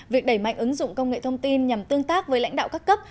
việc đẩy mạnh ứng dụng công nghệ thông tin nhằm tương tác với lãnh đạo các cấp